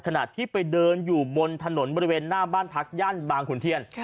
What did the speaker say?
ขณะที่ไปเดินอยู่บนถนนบริเวณหน้าบ้านพักย่านบางขุนเทียน